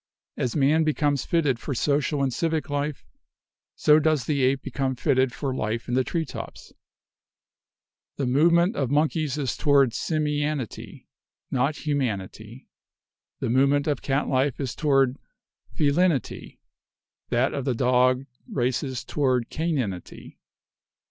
As man becomes fitted for social and civic life, so does the ape become fitted for life in the tree tops. The movement of monkeys is toward simianity, not humanity. The movement of cat life is toward felinity, that of the dog races toward caninity.